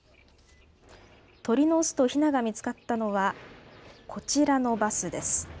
鳥の巣とひなが見つかったのはこちらのバスです。